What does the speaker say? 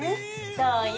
そうよ。